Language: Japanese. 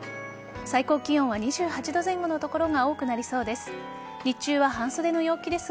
最高気温は２８度前後の所が多くなりそうです。